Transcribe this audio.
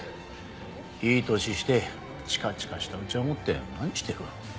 いい年してチカチカしたうちわ持って何してる。